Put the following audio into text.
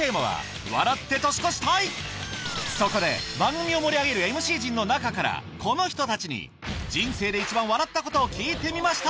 そこで番組を盛り上げるＭＣ陣の中からこの人たちに人生で１番笑ったことを聞いてみました